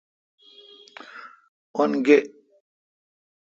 ان گے۔